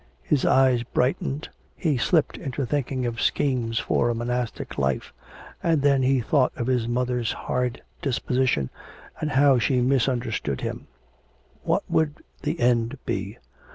His eyes brightened, he slipped into thinking of schemes for a monastic life; and then he thought of his mother's hard disposition and how she misunderstood him. What would the end be?